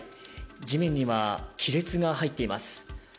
地面には亀裂が入っています。